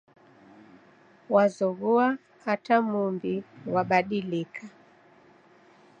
Wazoghoa ata mumbi ghwabadilika.